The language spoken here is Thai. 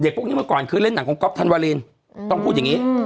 พวกนี้เมื่อก่อนคือเล่นหนังของก๊อฟธันวาลินต้องพูดอย่างนี้